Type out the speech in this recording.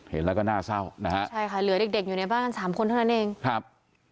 เห็นแล้วก็น่าเศร้านะครับ